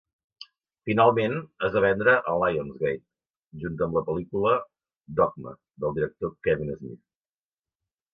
Finalment, es va vendre a Lionsgate, junt amb la pel·lícula "Dogma" del director Kevin Smith.